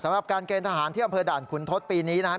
สำหรับการเกณฑ์ทหารที่อำเภอด่านขุนทศปีนี้นะครับ